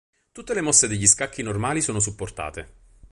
Tutte le mosse degli scacchi normali sono supportate.